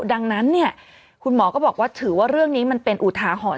ดังนั้นเนี่ยคุณหมอก็บอกว่าถือว่าเรื่องนี้มันเป็นอุทาหรณ์